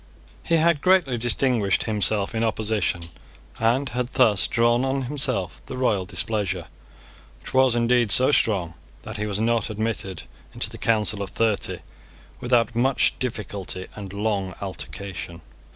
He had greatly distinguished himself in opposition, and had thus drawn on himself the royal displeasure, which was indeed so strong that he was not admitted into the Council of Thirty without much difficulty and long altercation.